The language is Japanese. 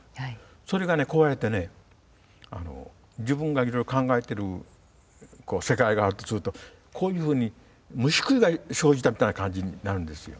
それが壊れてね自分がいろいろ考えてる世界があるとするとこういうふうに虫食いが生じたみたいな感じになるんですよ。